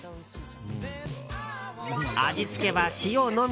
味付けは塩のみ。